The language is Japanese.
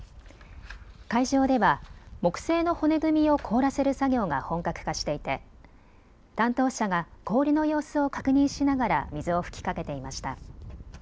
会場では木製の骨組みを凍らせる作業が本格化していて担当者が氷の様子を確認しながら水を吹きかけていました。